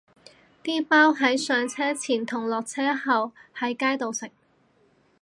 啲包係上車前同落車後喺街度食